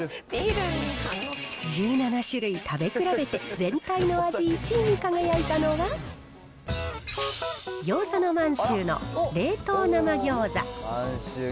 １７種類食べ比べて、全体の味１位に輝いたのは、ぎょうざの満洲の冷凍生ぎょうざ。